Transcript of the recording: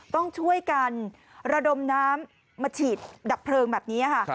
ต้องช่วยกันระดมน้ำมาฉีดดับเพลิงแบบนี้ค่ะ